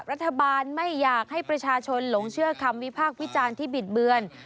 รัฐบาลไม่อยากให้ประชาชนหลงเชื่อคำวิพากษ์วิจารณ์ที่บิดเบือน